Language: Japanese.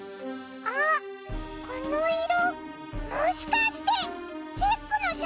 あっこの色もしかしてチェックのシャツの！？